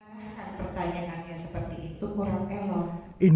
saya akan bertanya tanya seperti itu kurang emang